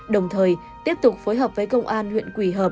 đồng thời tiếp tục phối hợp với công an huyện quỳ hợp